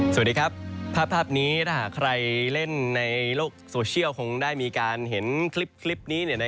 สวัสดีครับภาพนี้ถ้าหากใครเล่นในโลกโซเชียลคงได้มีการเห็นคลิปนี้